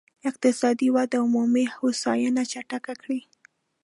اقتصادي وده عمومي هوساينې چټکه کړي.